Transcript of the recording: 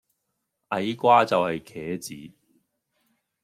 矮瓜就係茄子